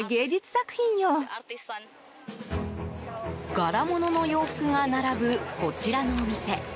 柄物の洋服が並ぶこちらのお店。